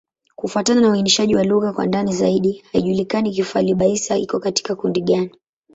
Kufuatana na uainishaji wa lugha kwa ndani zaidi, haijulikani Kifali-Baissa iko katika kundi gani.